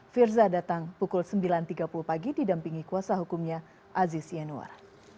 firza datang pukul sembilan tiga puluh pagi didampingi kuasa hukumnya aziz yanuar